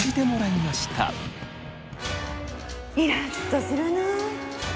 イラっとするな。